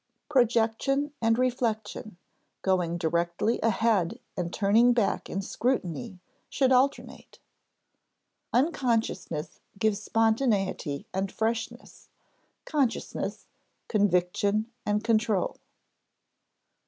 Projection and reflection, going directly ahead and turning back in scrutiny, should alternate. Unconsciousness gives spontaneity and freshness; consciousness, conviction and control.